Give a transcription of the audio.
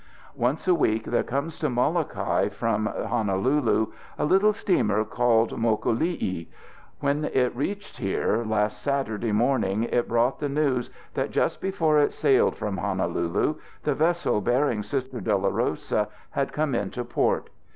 "Once a week there comes to Molokai from Honolulu a little steamer called Mokolii. When it reached here last Saturday morning it brought the news that just before it sailed from Honolulu the vessel bearing Sister Dolorosa had come into port.